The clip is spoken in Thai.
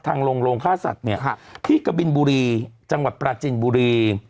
ลงโรงฆ่าสัตว์เนี่ยที่กะบินบุรีจังหวัดปราจินบุรี